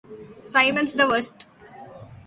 Simon's the worst.